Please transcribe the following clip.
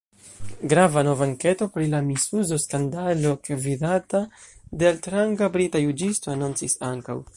Grava nova enketo pri la misuzo skandalo gvidata de altranga brita juĝisto anoncis ankaŭ.